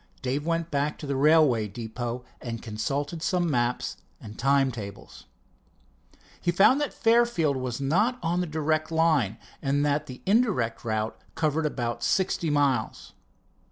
Dave went back to the railroad depot and consulted some maps and time tables. He found that Fairfield was not on the direct line, and that the indirect route covered about sixty miles.